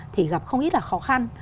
thì gặp không ít là khó khăn